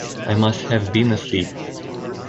I must have been asleep.